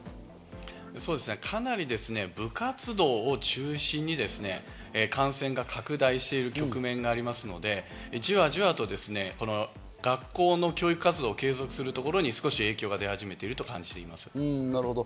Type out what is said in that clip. かなり部活動を中心に感染が拡大している局面がありますので、じわじわと学校の教育活動を継続するところに影響が出始めていると感じています。